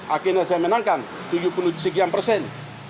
akhirnya saya menangkan tujuh puluh sekian persen